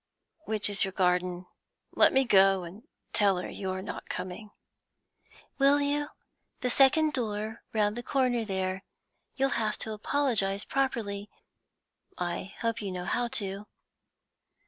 Which is your garden? Let me go and tell her you are not coming.' 'Will you? The second door round the corner there, You'll have to apologize properly I hope you know how to.'